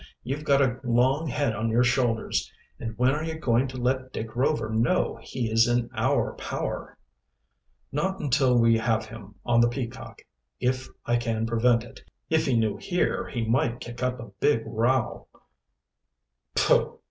You've got a long head on your shoulders. And when are you going to let Dick Rover know he is in our power?" "Not until we have him on the Peacock, if I can prevent it. If he knew here, he might kick up a big row." "Pooh!